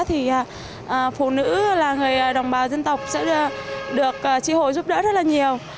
thì phụ nữ là người đồng bào dân tộc sẽ được tri hội giúp đỡ rất là nhiều